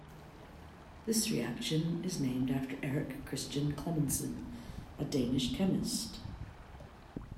This reaction is named after Erik Christian Clemmensen, a Danish chemist.